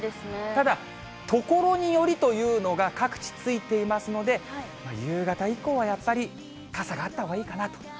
ただ所によりというのが各地ついていますので、夕方以降はやっぱり傘があったほうがいいかなと。